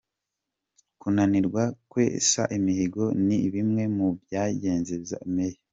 Kunanirwa kwesa imihigo ni bimwe mu byeguza ba Meya.